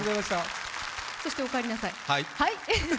そして、お帰りなさい。